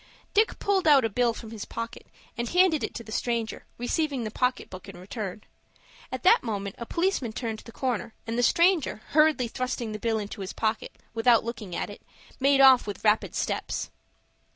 Dick pulled out a bill from his pocket, and handed it to the stranger, receiving the pocket book in return. At that moment a policeman turned the corner, and the stranger, hurriedly thrusting the bill into his pocket, without looking at it, made off with rapid steps.